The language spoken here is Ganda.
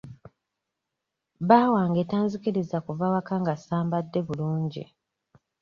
Bba wange tanzikiriza kuva waka nga sambadde bulungi.